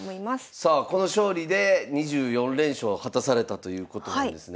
さあこの勝利で２４連勝を果たされたということなんですね。